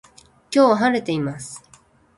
今日は晴れています